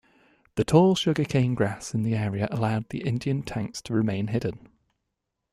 The tall sugarcane grass in the area allowed the Indian tanks to remain hidden.